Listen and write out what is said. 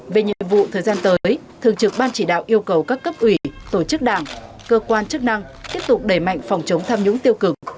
về nhiệm vụ thời gian tới thường trực ban chỉ đạo yêu cầu các cấp ủy tổ chức đảng cơ quan chức năng tiếp tục đẩy mạnh phòng chống tham nhũng tiêu cực